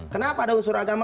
kenapa ada unsur agama